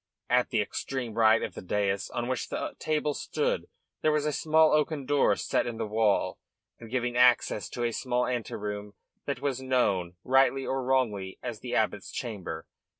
At the extreme right of the dais on which the table stood there was a small oaken door set in the wall and giving access to a small ante room that was known, rightly or wrongly, as the abbot's chamber.